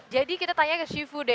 jadi kita tanya ke sifu deh